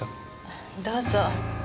どうぞ。